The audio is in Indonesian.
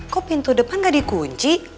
kok pintu depan gak dikunci